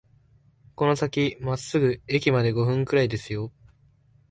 この先まっすぐ、駅まで五分くらいですよ